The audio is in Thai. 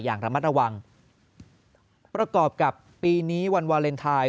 อย่างระมัดระวังประกอบกับปีนี้วันวาเลนไทย